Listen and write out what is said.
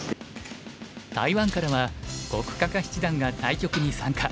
台湾からは黒嘉嘉七段が対局に参加。